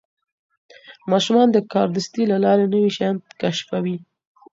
ماشومان د کاردستي له لارې نوي شیان کشفوي.